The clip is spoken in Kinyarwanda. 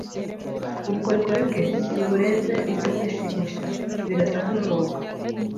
Ubukorikori bwe ntiburenze ibyo kwishimisha. Birasa nkumwuga.